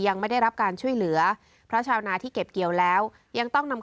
ยังไม่ได้รับการช่วยเหลือเพราะชาวนาที่เก็บเกี่ยวแล้วยังต้องนำ